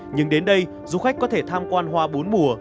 nhưng đến đây du khách có thể tham quan hoa bốn mùa